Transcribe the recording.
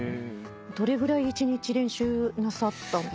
どれぐらい１日練習なさったんですか？